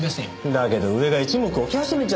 だけど上が一目置き始めちゃってんすよ。